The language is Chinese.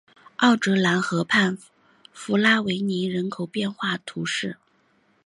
奥泽兰河畔弗拉维尼人口变化图示